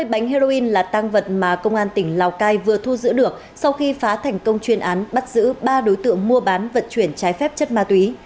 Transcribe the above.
hai bánh heroin là tăng vật mà công an tỉnh lào cai vừa thu giữ được sau khi phá thành công chuyên án bắt giữ ba đối tượng mua bán vận chuyển trái phép chất ma túy